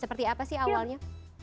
seperti apa sih awalnya